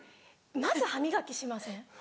まず歯磨きしません？